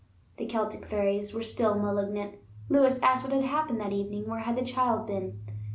The Celtic fairies are still malignant. Lewis asked what had happened that evening; where had the child been?